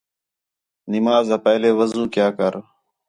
نماز آ پہلے وضو کیا کر